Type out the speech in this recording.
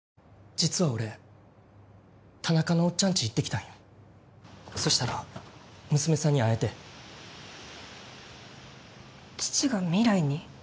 実は俺田中のおっちゃんち行ってきたんよそしたら娘さんに会えて父が未来に？